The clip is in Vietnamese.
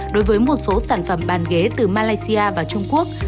đối với một số sản phẩm bàn ghế từ malaysia và trung quốc